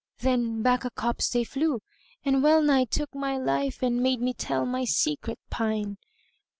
Then back a copse they flew, and well nigh took * My life and made me tell my secret pine.